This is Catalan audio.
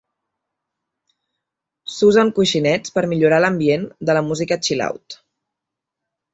S'usen coixinets per millorar l'ambient de la música "chill out".